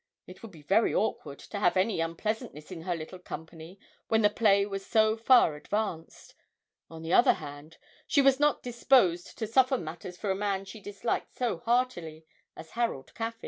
It would be very awkward to have any unpleasantness in her little company when the play was so far advanced. On the other hand, she was not disposed to soften matters for a man she disliked so heartily as Harold Caffyn.